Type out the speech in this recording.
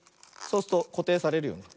そうするとこていされるよね。